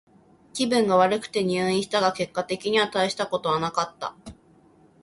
気分が悪くて入院したが、結果的にはたいしたことはなかった。